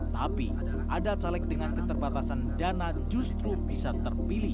tapi ada caleg dengan keterbatasan dana justru bisa terpilih